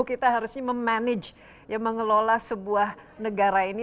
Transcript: kita harusnya memanage mengelola sebuah negara ini